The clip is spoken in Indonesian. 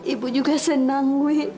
ibu juga senang